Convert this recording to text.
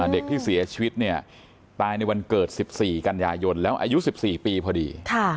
เด็กที่เสียชีวิตเนี่ยตายในวันเกิด๑๔กันยายนแล้วอายุ๑๔ปีพอดี